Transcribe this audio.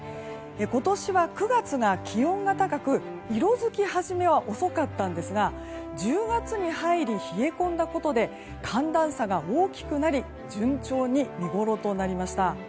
今年は９月が気温が高く色づき始めは遅かったんですが１０月に入り、冷え込んだことで寒暖差が大きくなり順調に見ごろとなりました。